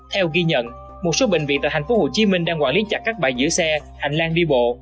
theo ghi nhận một số bệnh viện tại tp hcm đang quản lý chặt các bãi giữ xe hành lang đi bộ